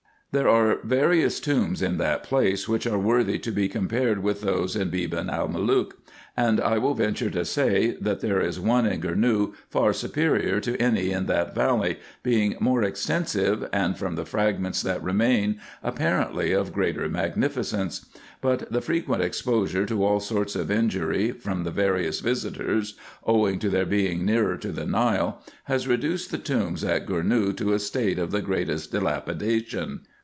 There are various tombs at that place, G G 226 RESEARCHES AND OPERATIONS which are worthy to be compared with those in Beban el Malook ; and I will venture to say, that there is one in Gournou far superior to any in that valley, being more extensive, and, from the fragments that remain, apparently of greater magnificence. But the frequent exposure to all sorts of injury from the various visitors, owing to their being nearer to the Nile, has reduced the tombs at Gournou to a state of the greatest dilapidation.